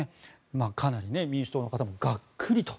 かなり民主党の方もがっくりと。